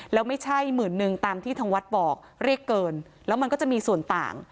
แล้วไม่ใช่หมื่นนึงตามที่ทางวัดบอกเรียกเกินแล้วมันก็จะมีส่วนต่าง